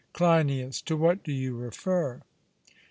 CLEINIAS: To what do you refer?